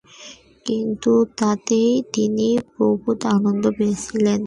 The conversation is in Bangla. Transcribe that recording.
কিন্তু তাতেই তিনি প্রভূত আনন্দ পেয়েছিলেন।